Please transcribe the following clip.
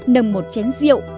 nâng một chén rượu